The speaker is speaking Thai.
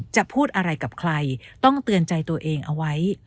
จะพูดอะไรกับใครต้องเตือนใจตัวเองเอาไว้